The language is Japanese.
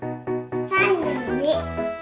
３２！